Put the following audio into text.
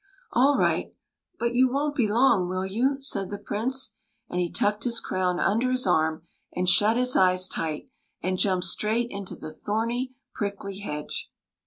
" All right ; but you won't be long, will you ?" said the Prince ; and he tucked his crown under his arm and shut his eyes tight and jumped straight into the thorny, prickly hedge.